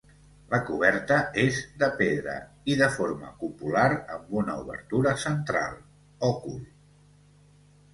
La coberta és de pedra, i de forma cupular amb una obertura central, òcul.